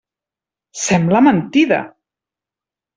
Sembla mentida!